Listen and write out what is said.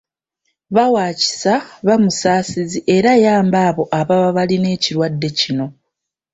Ba wa kisa, ba musaasizi era yamba abo ababa balina ekirwadde kino.